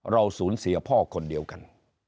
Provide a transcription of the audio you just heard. เราสูญเสียพ่อคนเดียวกัน